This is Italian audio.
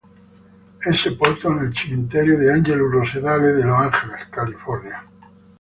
È sepolto nel cimitero di Angelus-Rosedale di Los Angeles, California.